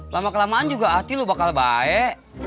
lama kelamaan juga hati lu bakal baik